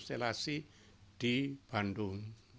ada sepuluh stilasi di bandung